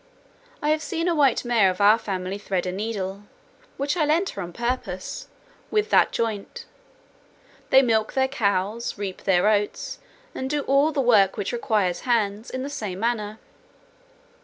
I have seen a white mare of our family thread a needle (which I lent her on purpose) with that joint. They milk their cows, reap their oats, and do all the work which requires hands, in the same manner.